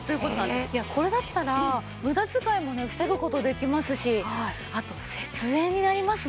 これだったら無駄遣いもね防ぐ事できますしあと節電になりますね。